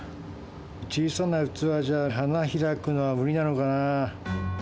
小さな器じゃ花開くのは無理なのかな。